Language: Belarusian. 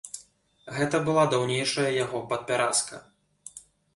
Гэта была даўнейшая яго падпяразка.